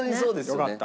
よかった。